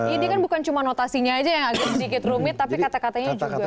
ini kan bukan cuma notasinya aja yang agak sedikit rumit tapi kata katanya juga